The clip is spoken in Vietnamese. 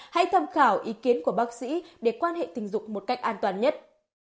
hãy tham khảo ý kiến của bác sĩ để quan hệ tình dục một cách an toàn nhất